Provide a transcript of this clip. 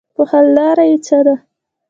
چې حل لاره ئې څۀ ده -